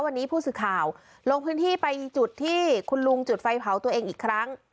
วันนี้ผู้สื่อข่าวลงพื้นที่ไปจุดที่คุณลุงจุดไฟเผาตัวเองอีกครั้ง